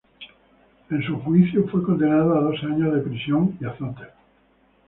En su juicio fue condenado a dos años de prisión y azotes.